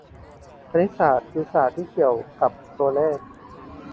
คณิตศาสตร์คือศาสตร์เกี่ยวกับตัวเลข